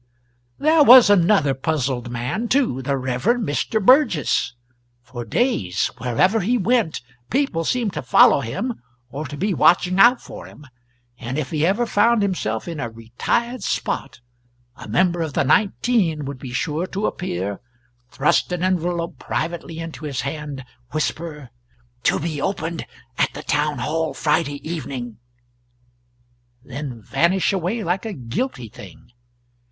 There was another puzzled man, too the Rev. Mr. Burgess. For days, wherever he went, people seemed to follow him or to be watching out for him; and if he ever found himself in a retired spot, a member of the nineteen would be sure to appear, thrust an envelope privately into his hand, whisper "To be opened at the town hall Friday evening," then vanish away like a guilty thing.